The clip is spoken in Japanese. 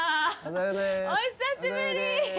お久しぶり。